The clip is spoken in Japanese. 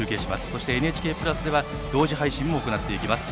そして、「ＮＨＫプラス」では同時配信も行っていきます。